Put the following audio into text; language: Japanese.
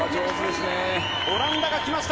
オランダが来ました。